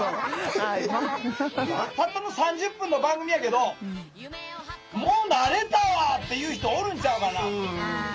たったの３０分の番組やけどもう慣れたわっていう人おるんちゃうかな。